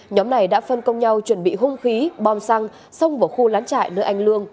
nhóm này đã phân công nhau chuẩn bị hung khí bom xăng xông vào khu lán trại nơi anh lương